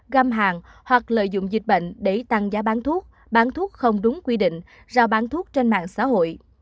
găm hàng hoặc lợi dụng dịch bệnh để tăng giá bán thuốc bán thuốc không đúng quy định giao bán thuốc trên mạng xã hội